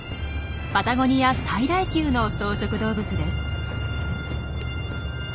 パタゴニア最大級の草食動物です。